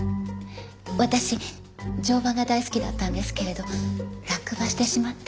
私乗馬が大好きだったんですけれど落馬してしまって。